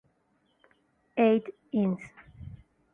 Eight Inc.